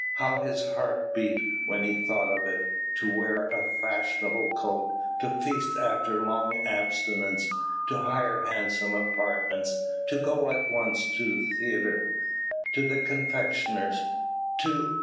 How his heart beat when he thought of it! To wear a fashionable coat, to feast after long abstinence, to hire handsome apartments, to go at once to the theatre, to the confectioner's, to...